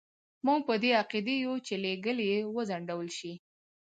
موږ په دې عقیده یو چې لېږل یې وځنډول شي.